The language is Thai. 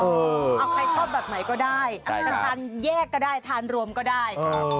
เอาใครชอบแบบไหนก็ได้จะทานแยกก็ได้ทานรวมก็ได้